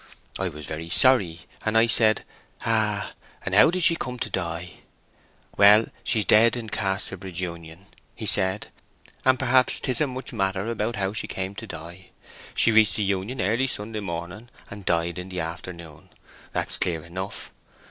I was very sorry, and I said, 'Ah!—and how did she come to die?' 'Well, she's dead in Casterbridge Union,' he said, 'and perhaps 'tisn't much matter about how she came to die. She reached the Union early Sunday morning, and died in the afternoon—that's clear enough.